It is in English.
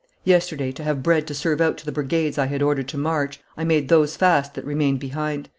Yesterday, to have bread to serve out to the brigades I had ordered to march, I made those fast that remained behind.